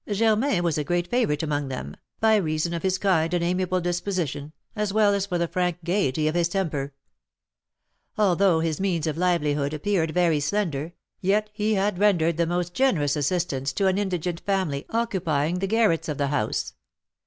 Germain was a great favourite among them, by reason of his kind and amiable disposition, as well as for the frank gaiety of his temper. Although his means of livelihood appeared very slender, yet he had rendered the most generous assistance to an indigent family occupying the garrets of the house.